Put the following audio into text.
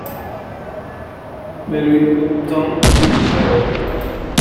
Melvin Upton Jr.